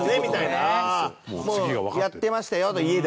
もう、やってましたよと、家で。